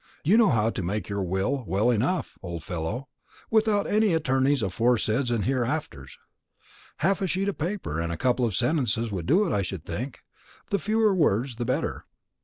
You know how to make your will well enough, old fellow, without any attorney's aforesaids and hereinafters. Half a sheet of paper and a couple of sentences would do it, I should think; the fewer words the better."